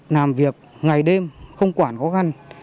làm việc ngày đêm không quản có găn